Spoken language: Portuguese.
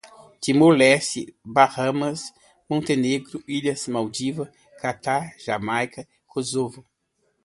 Timor-Leste, Bahamas, Montenegro, Ilhas Malvinas, Catar, Jamaica, Kosovo